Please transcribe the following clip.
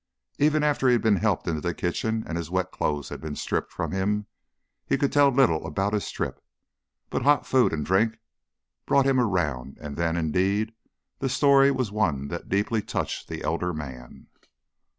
Even after he had been helped into the kitchen and his wet clothes had been stripped from him, he could tell little about his trip, but hot food and drink brought him around and then, indeed, his story was one that deeply touched the elder man.